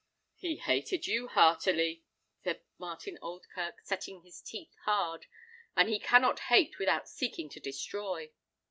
"He hated you heartily," said Martin Oldkirk, setting his teeth hard; "and he cannot hate without seeking to destroy."